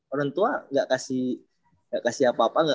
orang tua nggak kasih apa apa